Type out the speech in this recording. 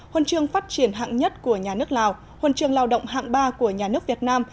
huân chương phát triển hạng nhất của nhà nước lào huân chương lao động hạng ba của nhà nước việt nam